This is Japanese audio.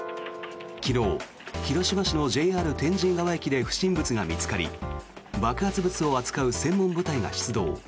昨日、広島市のＪＲ天神川駅で不審物が見つかり爆発物を扱う専門部隊が出動。